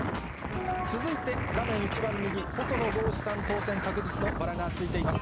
続いて画面一番右、細野豪志さん、当選確実のバラがついています。